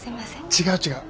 違う違う。